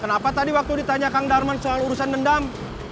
kenapa tadi waktu ditanya kang darman soal urusan dendam